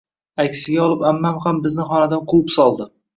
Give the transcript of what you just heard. Aksiga olib ammam ham bizni xonadan quvib soldi